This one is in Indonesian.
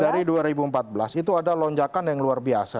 dari dua ribu empat belas itu ada lonjakan yang luar biasa